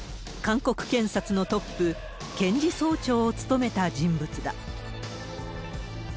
韓国検察のトップ、検事総長を務めた人物だ。